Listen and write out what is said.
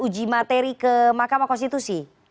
uji materi ke makam atau konstitusi